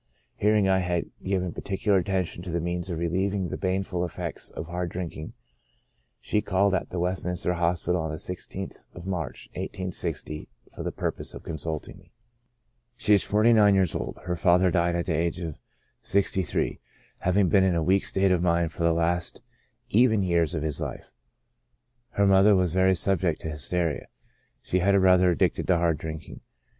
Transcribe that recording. Hearing I had given particular attention to the means of relieving the baneful effects of hard drinking, she called at the West minister Hospital on the i6th of March, i860, for the purpose of consulting me. 48 CHRONIC ALCOHOLISM. She is forty nine years old ; her father died at the age of sixty three, having been in a weak state of mind for the last even years of his life. Her mother was very subject to hysteria ; she had a brother addicted to hard drinking.